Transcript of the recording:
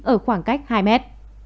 ở khoảng cách hai mét